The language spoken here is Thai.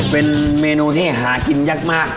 เป็นเมนูที่หากินยากมาก